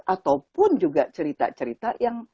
ataupun juga cerita cerita yang